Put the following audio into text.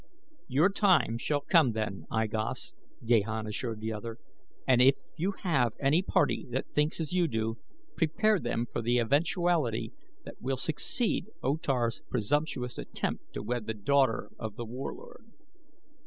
"Your time shall come then, I Gos," Gahan assured the other, "and if you have any party that thinks as you do, prepare them for the eventuality that will succeed O Tar's presumptuous attempt to wed the daughter of The Warlord.